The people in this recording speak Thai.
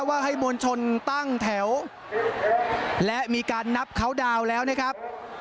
ว่าให้มวลชนตั้งแถวและมีการนับเคาน์ดาวน์แล้วนะครับ